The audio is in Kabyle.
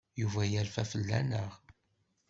Yuba yerfa fell-aneɣ.